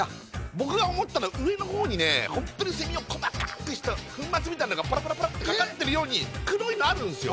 僕が思ったのは上の方にねホントにセミを細かくした粉末みたいのがパラパラパラってかかってるように黒いのあるんすよ